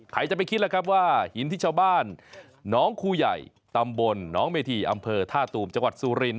ใครจะไปคิดล่ะครับว่าหินที่ชาวบ้านน้องครูใหญ่ตำบลน้องเมธีอำเภอท่าตูมจังหวัดสุริน